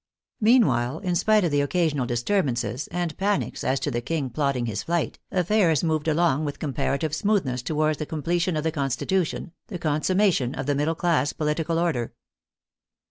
Meanwhile, in spite of occasional disturbances, and panics as to the King plotting his flight, affairs moved along with comparative smoothness towards the comple tion of the constitution, the consummation of the middle class political order.